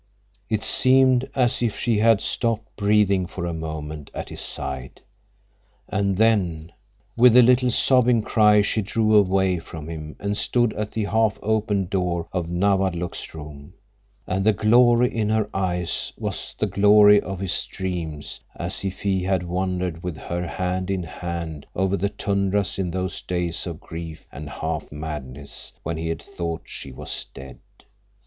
It seemed as if she had stopped breathing for a moment at his side, and then, with a little, sobbing cry she drew away from him and stood at the half opened door of Nawadlook's room, and the glory in her eyes was the glory of his dreams as he had wandered with her hand in hand over the tundras in those days of grief and half madness when he had thought she was dead.